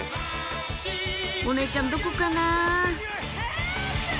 お姉ちゃんどこかな？